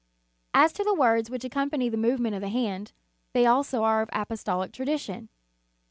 "* As to the words which accompany the move ment of the hand, they, also, are of apostolic tradition.